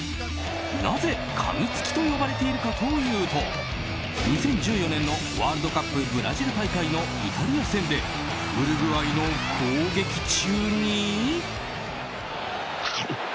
なぜ、かみつきと呼ばれているかというと２０１４年のワールドカップブラジル大会のイタリア戦でウルグアイの攻撃中に。